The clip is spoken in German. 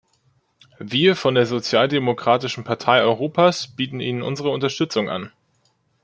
Wir von der Sozialdemokratischen Partei Europas bieten Ihnen unsere Unterstützung an.